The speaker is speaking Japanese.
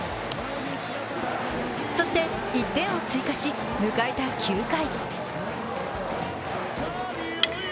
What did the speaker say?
そして１点を追加し迎えた９回。